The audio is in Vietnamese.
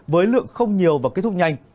với lượng không nhiều và kết thúc nhanh